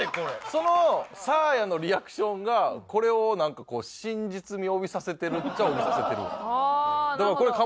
そのサーヤのリアクションがこれをなんかこう真実味を帯びさせてるっちゃ帯びさせてるわ。